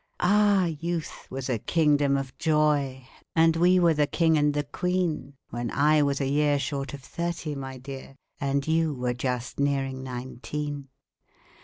Ah, youth was a kingdom of joy, And we were the king and the queen, When I was a year Short of thirty, my dear, And you were just nearing nineteen.